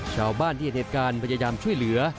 ชาวบ้านที่เห็นเหตุการณ์พยายามช่วยเหลือ